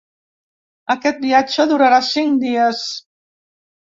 Aquest viatge durarà cinc dies.